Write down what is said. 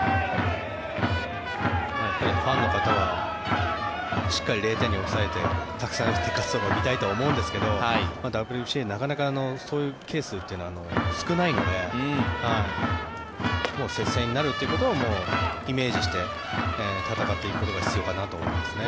やっぱりファンの方はしっかり０点に抑えてたくさん打って勝つところが見たいと思うんですがＷＢＣなかなかそういうケースは少ないので接戦になるということをイメージして戦っていくことが必要かなと思いますね。